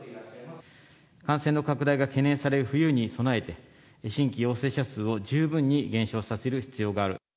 感染の拡大が懸念される冬に備えて、新規陽性者数を十分に減少させる必要がある。